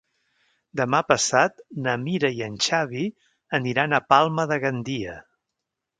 Demà passat na Mira i en Xavi aniran a Palma de Gandia.